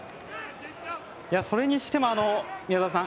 いや、それにしても宮澤さん